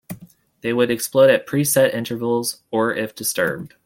They would explode at preset intervals or if disturbed.